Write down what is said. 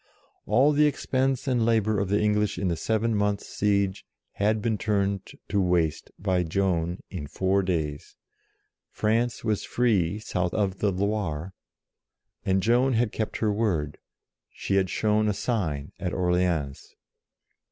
All the expense and labour of the English in the seven months' siege had been turned to waste by Joan in four days, France was free, south of the Loire, and Joan had kept her word, she had shown a sign at Orleans.